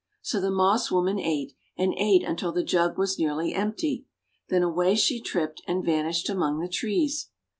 '5 So the Moss Woman ate, and ate until the jug was nearly empty; then away she tripped, and vanished among the trees.